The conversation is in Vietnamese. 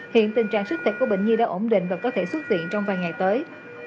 hiện tình trạng sức tịch của bệnh nhi đã ổn định và có thể xuất viện trong vài ngày tới